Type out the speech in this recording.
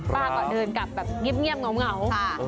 ป๊าก็เดินกลับนิ่มเหงา